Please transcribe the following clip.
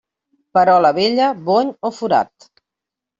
Perola vella, bony o forat.